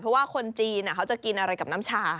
เพราะว่าคนจีนเขาจะกินอะไรกับน้ำชา